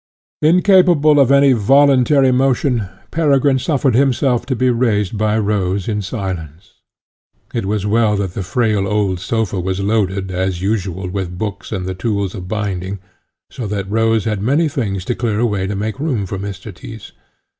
Incapable of any voluntary motion, Peregrine suffered himself to be raised by Rose in silence. It was well that the frail old sofa was loaded, as usual, with books and the tools for binding, so that Rose had many things to clear away to make room for Mr. Tyss.